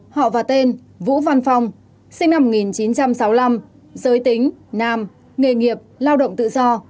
họ và tên vũ văn phong sinh năm một nghìn chín trăm sáu mươi năm giới tính nam nghề nghiệp lao động tự do